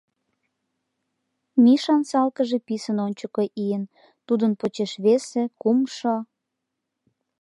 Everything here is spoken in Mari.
Мишан салкыже писын ончыко ийын, тудын почеш весе, кумшо...